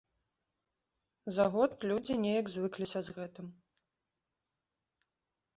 За год людзі неяк звыкліся з гэтым.